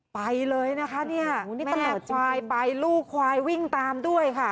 ไปเลยนะคะเนี่ยตั้งแต่ควายไปลูกควายวิ่งตามด้วยค่ะ